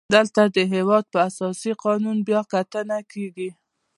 دلته د هیواد په اساسي قانون بیا کتنه کیږي.